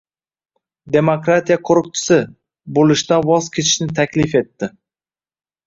«Demokratiya qo‘riqchisi» bo‘lishdan voz kechishni taklif etdi.